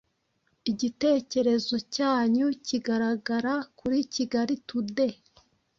Igitekerezo cyanyu kiragaragara kuri Kigali Tode